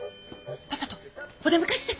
正門お出迎えして。